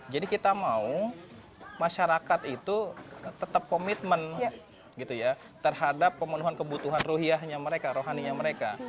jadi kita mau masyarakat itu tetap komitmen terhadap pemenuhan kebutuhan ruhianya mereka rohaninya mereka